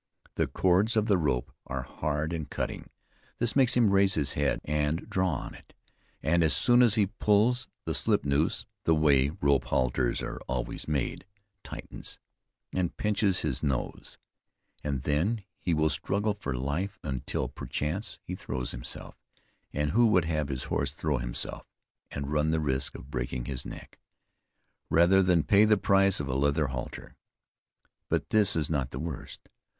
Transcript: The cords of the rope are hard and cutting; this makes him raise his head and draw on it, and as soon as he pulls, the slip noose (the way rope halters are always made) tightens, and pinches his nose, and then he will struggle for life, until, perchance, he throws himself; and who would have his horse throw himself, and run the risk of breaking his neck, rather than pay the price of a leather halter. But this is not the worst.